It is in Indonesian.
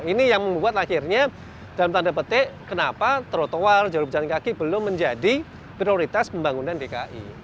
ini yang membuat akhirnya dalam tanda petik kenapa trotoar jalur pejalan kaki belum menjadi prioritas pembangunan dki